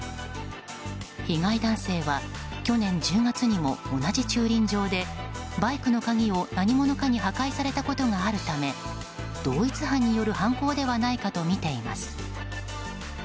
被害男性は去年１０月にも同じ駐輪場でバイクの鍵を、何者かに破壊されたことがあるため同一犯による犯行ではないかとみています。